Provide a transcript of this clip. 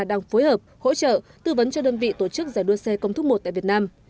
đang phối hợp hỗ trợ tư vấn cho đơn vị tổ chức giải đua xe công thức một tại việt nam